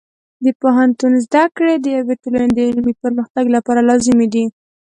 د پوهنتون زده کړې د یوې ټولنې د علمي پرمختګ لپاره لازمي دي.